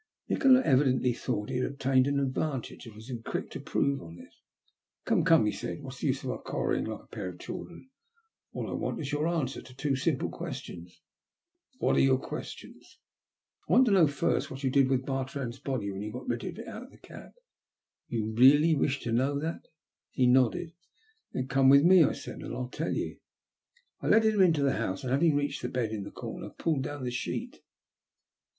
Nikola evidently thought he had obtained an advantage, and was quick to improve on it. Come, come," he said, " what is the use of our quarrelling like a pair of children ? All I want of you is an answer to two simple questions." *'What are your questions?" I want to know, first, what you did with Bar trand's body when you got rid of it out of the cab." " You really wish to know that ?" He nodded. " Then come with me," I said, " and I'll tell you." I led him into the house, and, having reached the bed in the comer, pulled down the sheet.